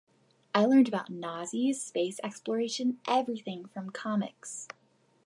I learned about Nazis, space exploration, everything from comics.